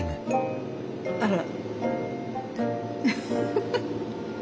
あら。